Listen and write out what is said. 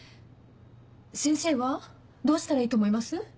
先生はどうしたらいいと思います？